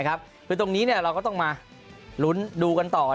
คือตรงนี้เราก็ต้องมาลุ้นดูกันต่อ